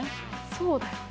そうだよね。